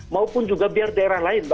maupun juga biar daerah lain